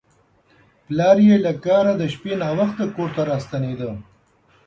پلار یې له کاره د شپې ناوخته کور ته راستنېده.